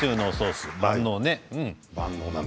万能だね。